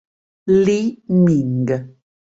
Li Ming